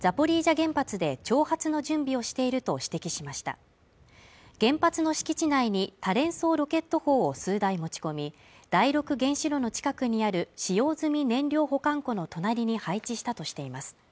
原発の敷地内に多連装ロケット砲を数台持ち込み第６原子炉の近くにある使用済み燃料保管庫の隣に配置したとしています